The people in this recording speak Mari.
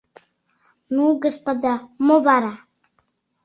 — Ну, господа, мо вара?..